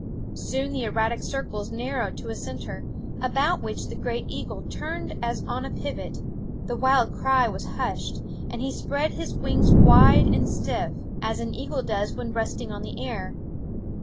Soon the erratic circles narrowed to a cen ter, about which the great eagle turned as on THE WOODS a pivot; the wild cry was hushed, and he spread his wings wide and stiff, as an eagle does when resting on the air.